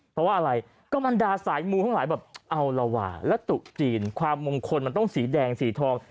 เพราะดาสายมุมทั้งหลายแบบเอาล่ะว่าแล้วตุ๊กจีนความมงคลมันต้องสีแดงสีทอง